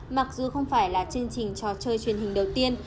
mặc dù không phải là chương trình trò chơi truyền hình đầu tiên